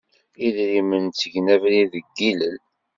Idrimen ttgen abrid deg yilel.